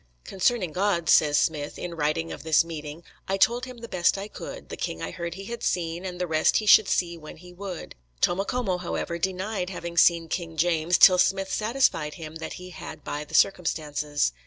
"Concerning God," says Smith, in writing of this meeting, "I told him the best I could, the king I heard he had seen, and the rest he should see when he would." Tomocomo, however, denied having seen King James till Smith satisfied him that he had by the circumstances.